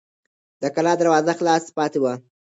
د کلا دروازه خلاصه پاتې وه.